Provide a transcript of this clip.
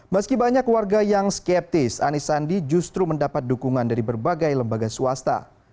meski banyak warga yang skeptis anies sandi justru mendapat dukungan dari berbagai lembaga swasta